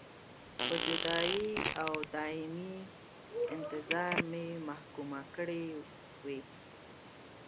په جدایۍ او دایمي انتظار مې محکومه کړې وې.